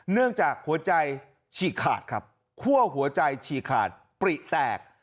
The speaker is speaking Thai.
เนื่องจากหัวใจฉีกขาดครับคั่วหัวใจฉีกขาดปริแตก